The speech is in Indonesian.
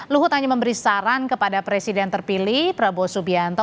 luhut hanya memberi saran kepada presiden terpilih prabowo subianto